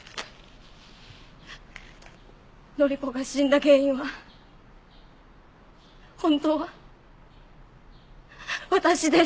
範子が死んだ原因は本当は私です。